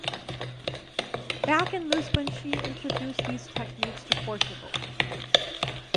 Back in Lisbon she introduced these techniques to Portugal.